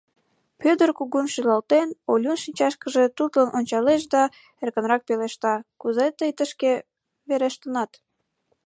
— Пӧдыр, кугун шӱлалтен, Олюн шинчашкыже тутлын ончалеш да эркынракын пелешта: — Кузе тый тышке верештынат?